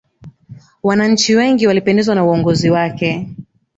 wananchi wengi walipendezwa na uongozi wake